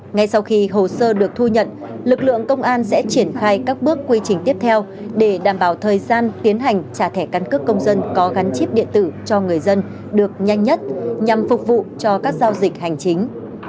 ngay sau khi hồ sơ được thu nhận lực lượng công an sẽ triển khai các bước quy trình tiếp theo để đảm bảo thời gian tiến hành trả thẻ căn cước công dân có gắn chip điện tử cho người dân được nhanh nhất nhằm phục vụ cho các giao dịch hành chính